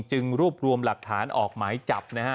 จึงรวบรวมหลักฐานออกหมายจับนะฮะ